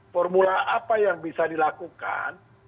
formula apa yang bisa dilakukan